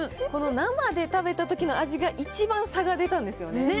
この生で食べたときの味が一番差が出たんですよね。